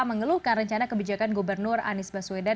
mengeluhkan rencana kebijakan gubernur anies baswedan